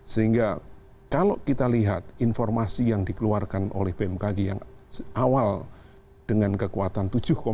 sehingga kalau kita lihat informasi yang dikeluarkan oleh bmkg yang awal dengan kekuatan tujuh dua